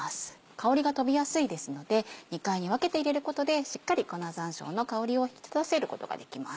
香りが飛びやすいですので２回に分けて入れることでしっかり粉山椒の香りを引き立たせることができます。